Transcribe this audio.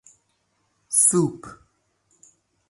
سوپ